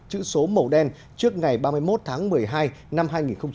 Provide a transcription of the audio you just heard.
chữ số màu đen trước ngày ba mươi một tháng một mươi hai năm hai nghìn hai mươi một